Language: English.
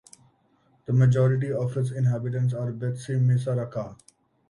The majority of its inhabitants are Betsimisaraka.